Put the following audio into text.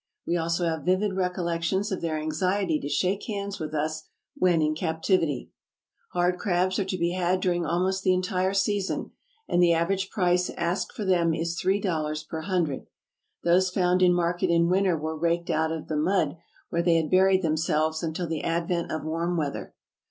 We also have vivid recollections of their anxiety to shake hands with us when in captivity. Hard crabs are to be had during almost the entire season, and the average price asked for them is $3.00 per hundred. Those found in market in winter were raked out of the mud, where they had buried themselves until the advent of warm weather.